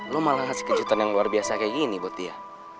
lu malah ngasih kejutan yang luar biasa kayak gini buat dia